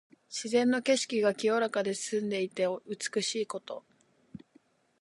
自然の景色が清らかで澄んでいて美しいこと。